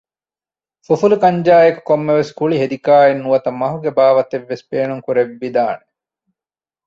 ފުފުލު ކަންޖާއެކު ކޮންމެވެސް ކުޅި ހެދިކާއެއް ނުވަތަ މަހުގެ ބާވަތެއްވެސް ބޭނުން ކުރެއްވި ދާނެ